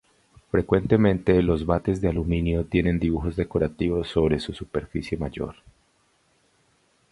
Frecuentemente los bates de aluminio tienen dibujos decorativos sobre su superficie mayor.